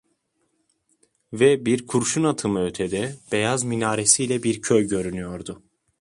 Ve bir kurşun atımı ötede beyaz minaresiyle bir köy görünüyordu.